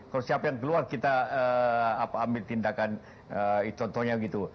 kalau siapa yang keluar kita ambil tindakan contohnya gitu